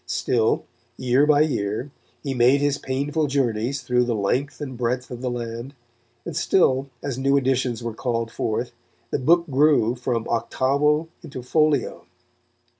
Still, year by year, he made his painful journeys through the length and breadth of the land, and still, as new editions were called forth, the book grew from octavo into folio.